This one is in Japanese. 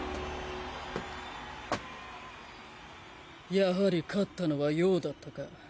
やはり勝ったのは葉だったか。